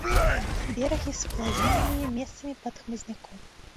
Берагі сплавінныя, месцамі пад хмызняком.